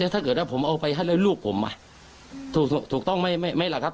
ถ้าเกิดผมเอาไปให้ลูกผมถูกต้องไม่แหละครับ